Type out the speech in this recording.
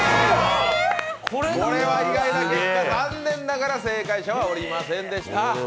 これは意外な結果残念ながら、正解者はいませんでした。